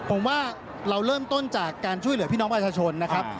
ผมว่าเราเริ่มต้นจากการช่วยเหลือพี่น้องประชาชนนะครับ